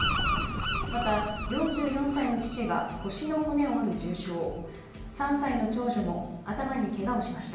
また、４４歳の父が腰の骨を折る重傷３歳の長女も頭にけがをしました。